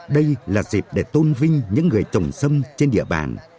đây là dịp để tôn vinh những người trồng sâm trên địa bàn